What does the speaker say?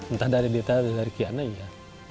entah dari dita atau dari kiana ya